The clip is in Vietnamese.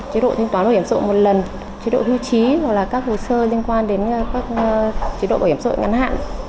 chế độ thanh toán bảo hiểm sội một lần chế độ hư chí hoặc là các hồ sơ liên quan đến các chế độ bảo hiểm sội ngắn hạn